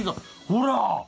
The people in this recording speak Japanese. ほら！